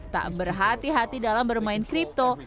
tak berhati hati dalam bermain kripto